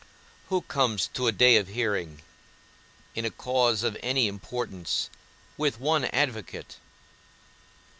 Who comes to a day of hearing, in a cause of any importance, with one advocate?